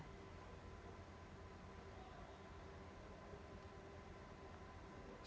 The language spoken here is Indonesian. sebagian pasus yang sekarang kita temukan